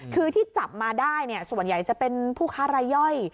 คือที่จับมาได้ส่วนใหญ่จะเป็นผู้ค้ารายย่อย